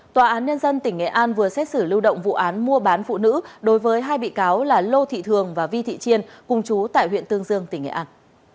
tòa án nhân dân tỉnh nghệ an vừa xét xử lưu động vụ án mua bán phụ nữ đối với hai bị cáo là lô thị thường và vi thị chiên cùng chú tại huyện tương dương tỉnh nghệ an